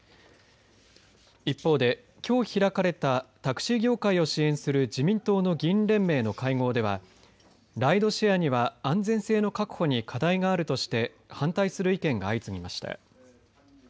一方できょう開かれたタクシー業界を支援する自民党の議員連盟の会合ではライドシェアには安全性の確保に課題があるとして反対する意見が相次ぎました。